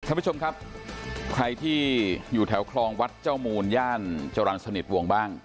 ท่านผู้ชมครับใครที่อยู่แถวคลองวัดเจ้ามูลย่านจรรย์สนิทวงบ้าง